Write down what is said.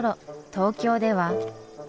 東京では。